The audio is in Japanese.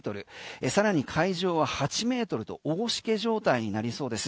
さらに海上は８ｍと大しけ状態になりそうです。